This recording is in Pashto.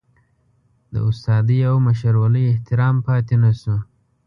د استادۍ او مشرولۍ احترام پاتې نشو.